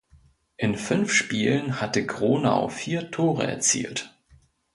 In fünf Spielen hatte Gronau vier Tore erzielt.